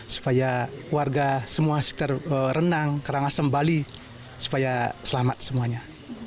supaya warga semua sekitar renang karangasem bali supaya selamat semuanya